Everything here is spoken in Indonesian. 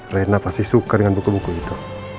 rena pasti suka dengan buku buku itu